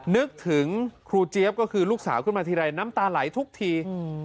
นึกถึงครูเจี๊ยบก็คือลูกสาวขึ้นมาทีไรน้ำตาไหลทุกที